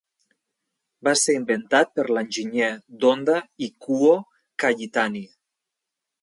Va ser inventat per l'enginyer d'Honda Ikuo Kajitani.